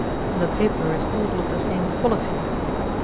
"The paper is all of the same quality.